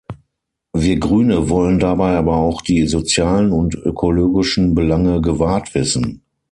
Wir Grüne wollen dabei aber auch die sozialen und ökologischen Belange gewahrt wissen.